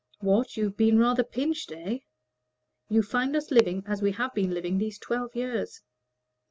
"What! you've been rather pinched, eh?" "You find us living as we have been living these twelve years."